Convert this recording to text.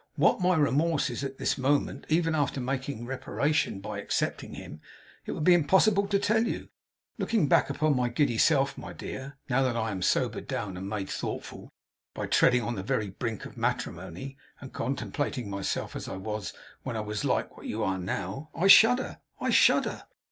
'What my remorse is at this moment, even after making reparation by accepting him, it would be impossible to tell you! Looking back upon my giddy self, my dear, now that I am sobered down and made thoughtful, by treading on the very brink of matrimony; and contemplating myself as I was when I was like what you are now; I shudder. I shudder.